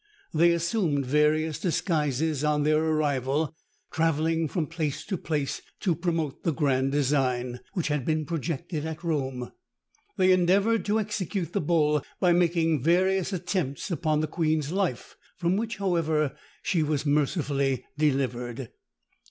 They assumed various disguises on their arrival, travelling from place to place to promote the grand design, which had been projected at Rome. They endeavoured to execute the bull by making various attempts upon the queen's life, from which, however, she was mercifully delivered.